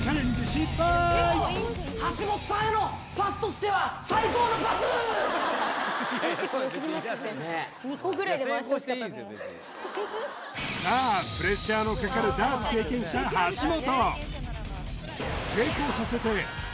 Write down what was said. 失敗橋本さんへのさあプレッシャーのかかるダーツ経験者橋本